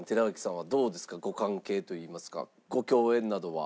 ご関係といいますかご共演などは。